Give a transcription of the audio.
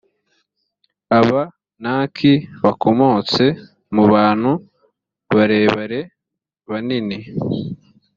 ab naki bakomotse mu bantu barebare banini